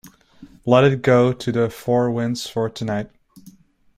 Let it go to the four winds for tonight.